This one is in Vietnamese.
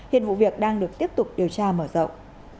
hiện vụ việc đang được tiếp tục điều tra mở rộng